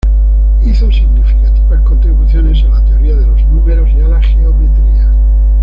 Hizo significativas contribuciones a la teoría de los números y a la geometría.